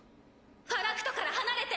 ・ファラクトから離れて！